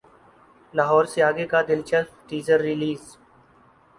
لاہور سے اگے کا دلچسپ ٹیزر ریلیز